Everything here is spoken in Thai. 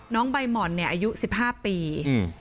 น้องใบหม่อนเนี่ยอายุสิบห้าปีอืม